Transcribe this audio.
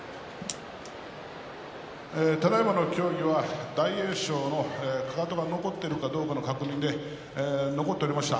ただいまの協議は大栄翔のかかとが残っているかどうかの確認で残っておりました。